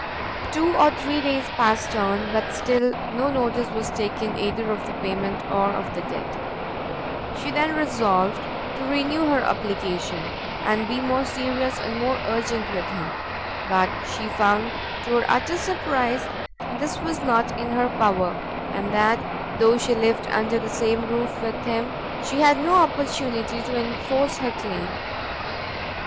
Two or three days passed on, but still no notice was taken either of the payment or of the debt. She then resolved to renew her application, and be more serious and more urgent with him; but she found, to her utter surprise, this was not in her power, and that though she lived under the same roof with him, she had no opportunity to enforce her claim.